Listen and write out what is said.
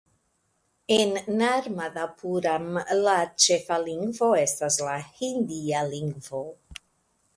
En Narmadapuram la ĉefa lingvo estas la hindia lingvo.